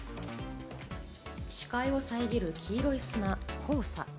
視界を遮る黄色い砂・黄砂。